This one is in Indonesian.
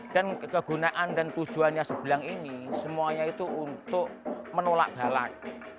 dan kegunaan dan tujuannya sebelang ini semuanya itu untuk menolak balak